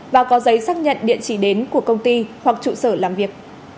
và có giấy xác nhận địa chỉ đến của công ty hoặc trụ sở làm việc